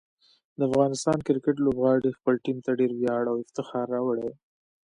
د افغان کرکټ لوبغاړي خپل ټیم ته ډېر ویاړ او افتخار راوړي.